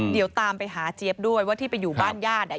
เดี๋ยวตามไปหาเจี๊ยบด้วยว่าที่ไปอยู่บ้านญาติอ่ะ